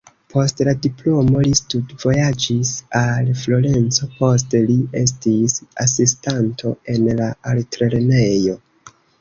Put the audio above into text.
Post la diplomo li studvojaĝis al Florenco, poste li estis asistanto en la altlernejo.